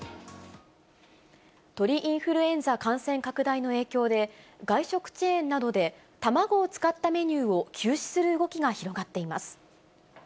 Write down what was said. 鳥インフルエンザ感染拡大の影響で、外食チェーンなどで、卵を使ったメニューを休止する動きが広がっています。